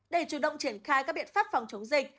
để chủ động triển khai các biện pháp phòng chống dịch